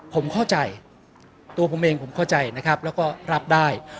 ผมเข้าใจตัวผมเองผมเข้าใจนะครับแล้วก็รับได้